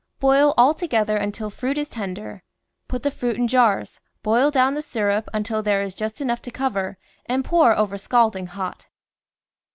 Boil all together until fruit is tender. Put the fruit in jars, boil down the syrup until there is just enough to cover, and pour over scalding hot.